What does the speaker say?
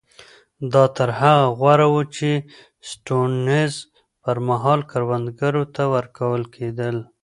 دا تر هغه غوره وو چې د سټیونز پر مهال کروندګرو ته ورکول کېدل.